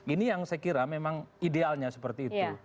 ini yang saya kira memang idealnya seperti itu